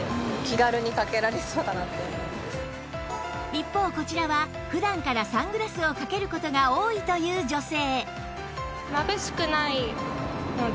一方こちらは普段からサングラスをかける事が多いという女性